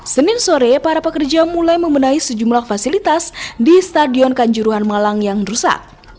senin sore para pekerja mulai membenahi sejumlah fasilitas di stadion kanjuruhan malang yang rusak